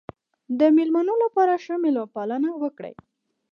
د مېلمنو لپاره ښه مېلمه پالنه وکړئ.